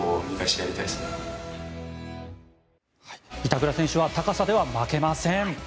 板倉選手は高さでは負けません。